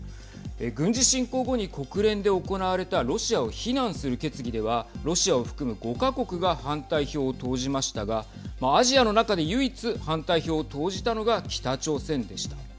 軍事侵攻後に国連で行われたロシアを非難する決議ではロシアを含む５か国が反対票を投じましたがアジアの中で唯一、反対票を投じたのが北朝鮮でした。